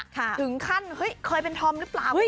ถึงขั้นเฮ้ยเคยเป็นทอมหรือเปล่าก็ไม่รู้